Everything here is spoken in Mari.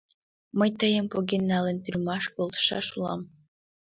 Мый тыйым, поген налын, тюрьмаш колтышаш улам.